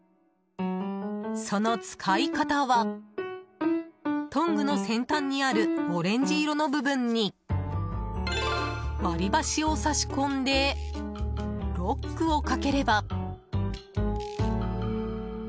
その使い方はトングの先端にあるオレンジ色の部分に割り箸を差し込んでロックをかければ。